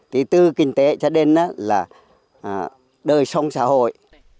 thì từ kinh tế cho đến là đời sống xã hội